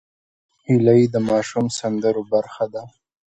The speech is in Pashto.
هیلۍ د ماشوم سندرو برخه ده